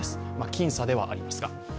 僅差ではありますが。